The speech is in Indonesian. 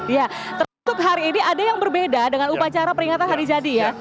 ya tertutup hari ini ada yang berbeda dengan upacara peringatan hari jadi ya